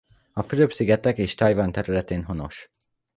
A Fülöp-szigetek és Tajvan területén honos.